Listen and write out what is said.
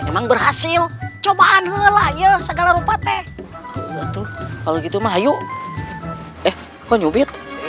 emang berhasil cobaan helaya segala rupa teh itu kalau gitu mah yuk eh kau nyubit